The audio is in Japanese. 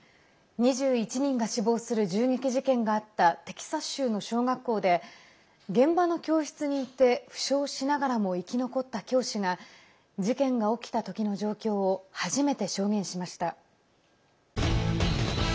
２１人が死亡する銃撃事件があったテキサス州の小学校で現場の教室にいて負傷しながらも生き残った教師が事件が起きたときの状況を初めて証言しました。